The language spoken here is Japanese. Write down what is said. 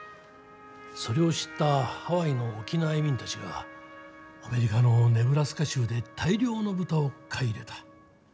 それを知ったハワイの沖縄移民たちがアメリカのネブラスカ州で大量の豚を買い入れた。